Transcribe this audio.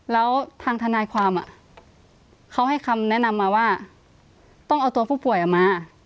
แล้วทางทนายความเขาให้คำแนะนำมาว่าต้องเอาตัวผู้ป่วยออกมา